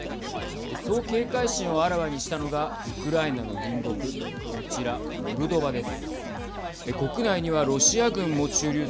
そう警戒心をあらわにしたのがウクライナの隣国こちらモルドバです。